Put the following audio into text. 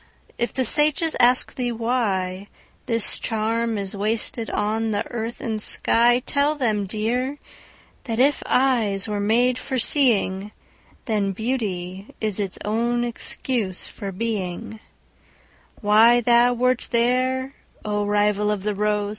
if the sages ask thee whyThis charm is wasted on the earth and sky, Tell them, dear, that if eyes were made for seeing, Then Beauty is its own excuse for being:Why thou wert there, O rival of the rose!